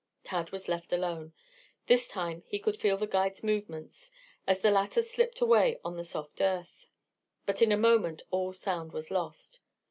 Tad was left alone. This time he could feel the guide's movements, as the latter slipped away on the soft earth. But in a moment all sound was lost.